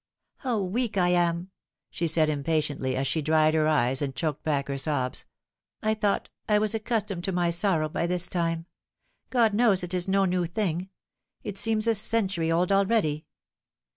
" How weak I am !" she said impatiently, as she dried her eyes and choked back her sobs. " I thought I was accustomed to my sorrow by this time. God knows it is no new thing I It seems a century old already."